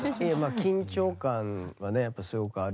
緊張感はねやっぱすごくある。